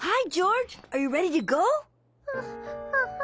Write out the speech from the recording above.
ハッハハ。